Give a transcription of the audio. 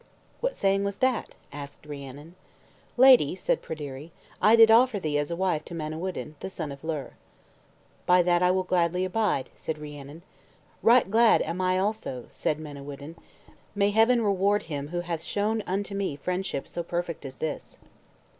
"What saying was that?" asked Rhiannon. "Lady," said Pryderi, "I did offer thee as a wife to Manawyddan, the son of Llyr." "By that will I gladly abide," said Rhiannon. "Right glad am I also," said Manawyddan, "may Heaven reward him who hath shown unto me friendship so perfect as this!"